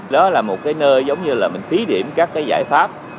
đó là một cái nơi giống như là mình thí điểm các cái giải pháp